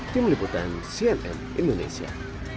tim liputan cnn indonesia